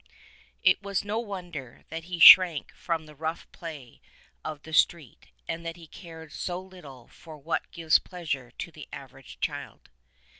It was no wonder that he shrank from the rough play of the street, and that he cared so little for what gives pleasure to the average child.